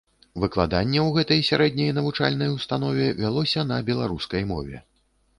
Выкладанне ў гэтай сярэдняй навучальнай установе вялося на беларускай мове.